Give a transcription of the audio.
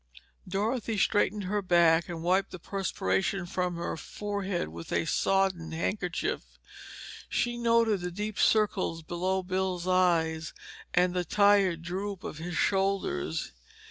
Dorothy straightened her back and wiped the perspiration from her forehead with a sodden handkerchief. She noted the deep circles below Bill's eyes and the tired droop of his shoulders.